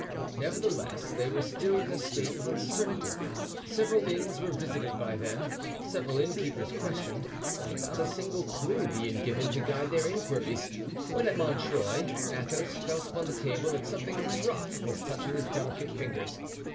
Nevertheless, they were still in a state of uncertainty. Several inns were visited by them, several innkeepers questioned, without a single clew being given to guide their inquiries, when at Montreuil Athos felt upon the table that something rough was touching his delicate fingers.